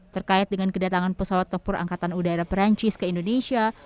terkait dengan kedatangan pesawat tempur angkatan udara perancis ke indonesia